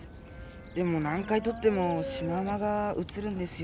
でも何回とってもシマウマがうつるんですよ。